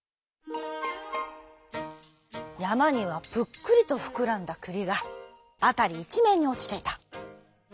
やまにはぷっくりとふくらんだくりがあたりいちめんにおちていた。